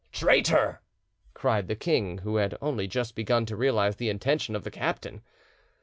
traitor!" cried the king, who had only just begun to realise the intention of the captain.